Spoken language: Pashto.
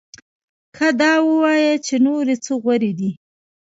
ښه دا ووایه چې نورې څه غورې دې؟